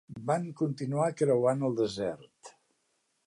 Van continuar creuant el desert.